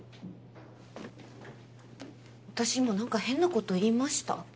私今なんか変なこと言いました？